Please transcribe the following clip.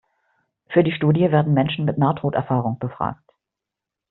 Für die Studie werden Menschen mit Nahtoderfahrung befragt.